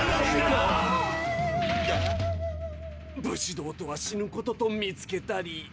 武士道とは死ぬことと見つけたり。